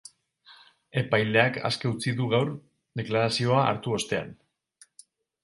Epaileak aske utzi du gaur, deklarazioa hartu ostean.